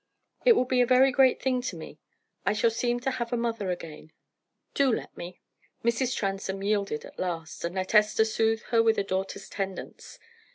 "It will be a very great thing to me. I shall seem to have a mother again. Do let me." Mrs. Transome yielded at last, and let Esther soothe her with a daughter's tendance.